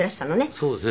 そうですね。